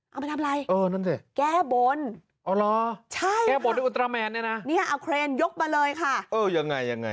เอามาทำอะไรแก้บนใช่ค่ะนี่อะอาเครนยกมาเลยค่ะอย่างไรอย่างไร